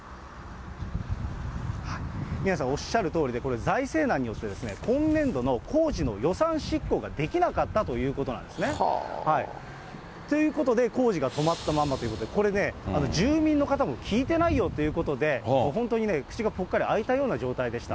はい、宮根さんおっしゃるとおりで、これ、財政難によって、今年度の工事の予算執行ができなかったということなんですね。ということで、工事が止まったままということで、これね、住民の方も聞いてないよということで、もう本当に口がぽっかりあいたような状態でした。